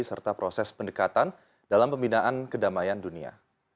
serta proses pendekatan dalam pembinaan kedamaian dunia